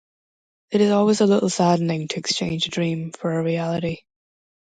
It is always a little saddening to exchange a dream for a reality.